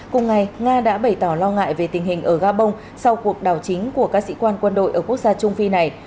cùng ngày nga đã bày tỏ lo ngại về tình hình ở gabon sau cuộc đảo chính của các sĩ quan quân đội ở quốc gia trung phi này